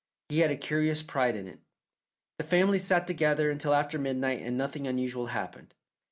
He had a curious pride in it. The family sat together until after midnight and nothing unusual happened.